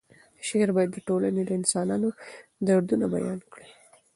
شعر باید د ټولنې د انسانانو دردونه بیان کړي.